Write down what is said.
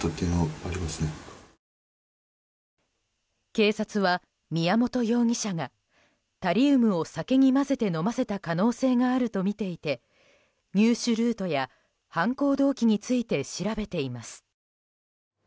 警察は、宮本容疑者がタリウムを酒に混ぜて飲ませた可能性があるとみていて入手ルートや犯行動機について調べています。